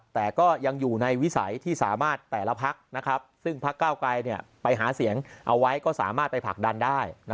แต่ก็ยังอยู่ในวิสัยที่สามารถแต่ละพักซึ่งพักเก้าไกรไปหาเสียงเอาไว้ก็สามารถไปผลักดันได้